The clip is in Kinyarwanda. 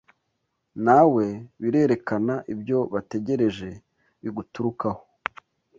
nawe birerekana ibyo bategereje biguturukaho